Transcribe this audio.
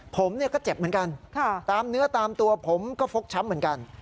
ผมก็เจ็บเหมือนกันตามเนื้อตามตัวผมก็ฟกช้ำเหมือนกัน